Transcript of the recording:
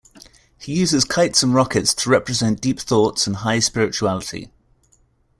He uses kites and rockets to represent deep thoughts and high spirituality.